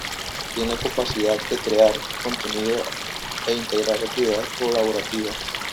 Tiene capacidad de crear contenido e integrar actividades colaborativas.